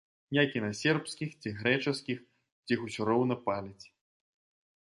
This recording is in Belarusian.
Як і на сербскіх ці грэчаскіх, дзе іх усё роўна паляць.